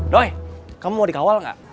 doy kamu mau dikawal nggak